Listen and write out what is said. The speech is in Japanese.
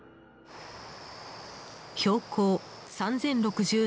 標高３０６７ｍ。